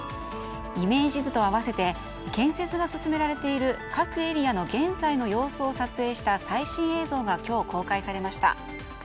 イメージ図と合わせて建設が進められている各エリアの現在の様子を撮影した最新映像が今日、公開されました。